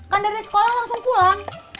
kan dari sekolah langsung pulang